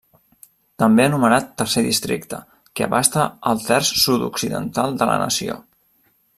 També anomenat Tercer Districte, que abasta el terç sud-occidental de la nació.